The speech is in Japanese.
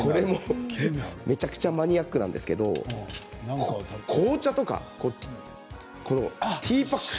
めちゃくちゃマニアックなんですけれど紅茶とかこのティーバッグ。